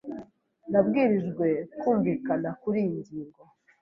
Nabwirijwe kumvikana kuriyi ngingo.